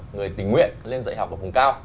người tình nguyện lên dạy học ở vùng cao